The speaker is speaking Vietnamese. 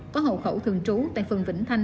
có hậu khẩu thường trú tại phần vĩnh thanh